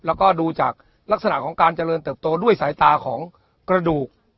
แล้วก็ดูจากลักษณะของการเจริญเติบโตด้วยสายตาของกระดูก